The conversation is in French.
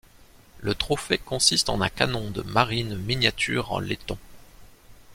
Le trophée consiste en un canon de marine miniature en laiton.